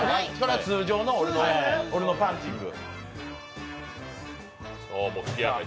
通常の俺のパンチング。